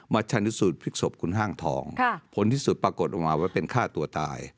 ชาญสูตรพลิกศพคุณห้างทองผลที่สุดปรากฏออกมาว่าเป็นฆ่าตัวตาย